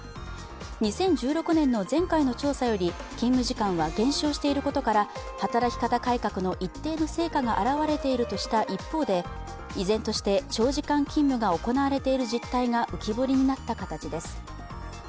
２０１６年の前回の調査より勤務時間は減少していることから働き方の一定の成果が現れているとした一方で、依然として長時間勤務が行われている実態が浮き彫りになった形です。